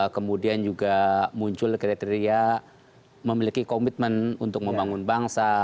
kemudian juga muncul kriteria memiliki komitmen untuk membangun bangsa